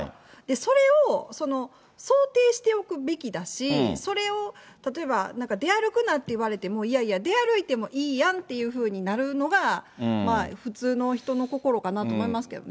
それを想定しておくべきだし、それを例えば、なんか出歩くなって言われても、いやいや、出歩いてもいいやんっていうふうになるのが、まあ普通の人の心かなと思いますけどね。